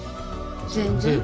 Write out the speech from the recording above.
全然。